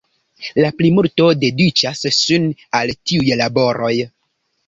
La plimulto dediĉas sin al tiuj laboroj.